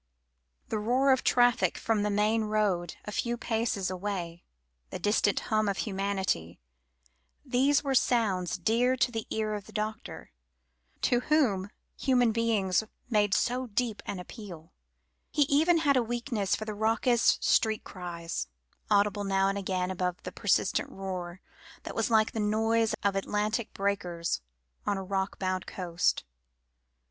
The roar of traffic from the main road a few paces away, the distant hum of humanity, these were sounds dear to the ears of the doctor, to whom human beings made so deep an appeal; he even had a weakness for the raucous street cries, audible now and again above the persistent roar, that was like the noise of Atlantic breakers on a rock bound coast.